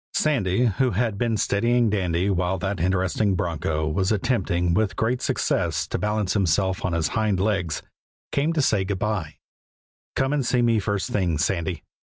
Sandy, who had been steadying Dandy while that interesting broncho was attempting with great success to balance himself on his hind legs, came to say good by. "Come and see me first thing, Sandy."